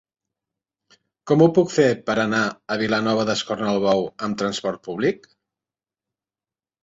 Com ho puc fer per anar a Vilanova d'Escornalbou amb trasport públic?